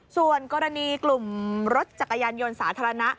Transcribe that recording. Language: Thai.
ส่วนกรณีกลุ่มรถจักรยานยนต์สาธารณะ